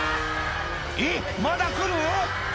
「えっまだ来る⁉」